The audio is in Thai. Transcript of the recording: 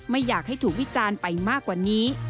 ไม่อยากให้ถูกวิจารณ์ไปมากกว่านี้